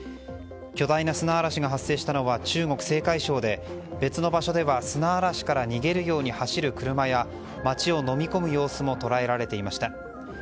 巨大な砂嵐が発生したのは中国・青海省で別の場所では砂嵐から逃げるように走る車や、街をのみ込む様子も捉えられていました。